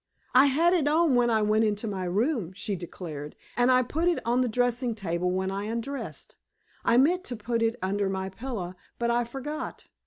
"I had it on when I went into my room," she declared, "and I put it on the dressing table when I undressed. I meant to put it under my pillow, but I forgot.